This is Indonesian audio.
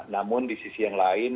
namun di sisi yang lain